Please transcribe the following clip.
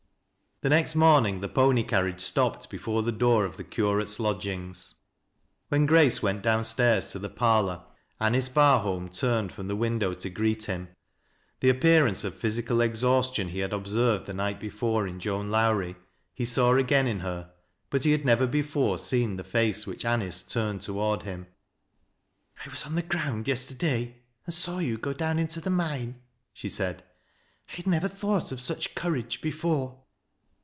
The next morning the pony carriage stopped before tti« d'lor of the curate's lodgings. When Grace went down stairs to the parlor, Anice Barholm turned from the win dow to greet him. The appearance of physical exhaus tion he ha ' observed the night before in Joan Lowrie, h.j saw again m her, but he had never before seen the face which Anice turned toward him. " I was on the ground yesterday, and saw you go down mto the mine," she said. " I had never thought of sucL courage before."